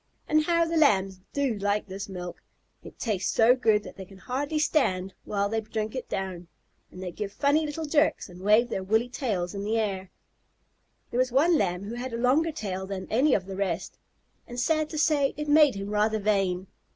And how the Lambs do like this milk! It tastes so good that they can hardly stand still while they drink it down, and they give funny little jerks and wave their woolly tails in the air. [Illustration: THE LAMB WITH THE LONGEST TAIL.] There was one Lamb who had a longer tail than any of the rest, and, sad to say, it made him rather vain.